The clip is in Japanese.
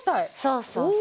そうそうそう。